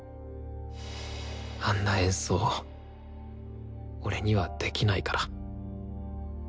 あんな演奏俺にはできないから。